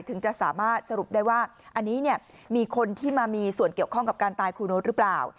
ถึงจะสามารถสรุปได้ว่าอันนี้เนี่ยมีคนที่มามีส่วนเกี่ยวข้องกับการตายครูโน๊ตหรือเปล่า